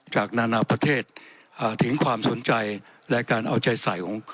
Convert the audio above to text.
นานาประเทศถึงความสนใจและการเอาใจใส่ของ